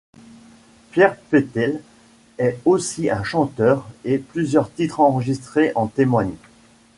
Pierre Petel est aussi un chanteur et plusieurs titres enregistrés en témoignent.